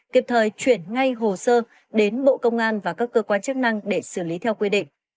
kịp thời chuyển ngay hồ sơ đến bộ công an và các cơ quan chức năng để xử lý theo quy định